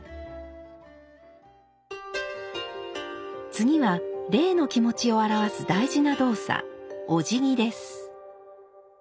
次は礼の気持ちを表す大事な動作おじぎです。